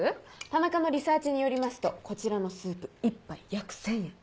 田中のリサーチによりますとこちらのスープ１杯約１０００円。